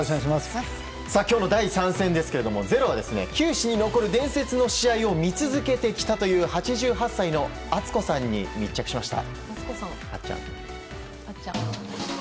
今日の第３戦ですが「ｚｅｒｏ」は球史に残る伝説の試合を見続けてきたという８８歳の敦子さんに密着しました。